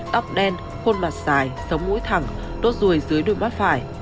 tóc đen khôn mặt dài sống mũi thẳng đốt ruồi dưới đuôi mắt phải